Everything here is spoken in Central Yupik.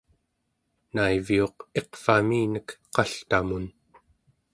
naiviuq iqvaminek qaltamun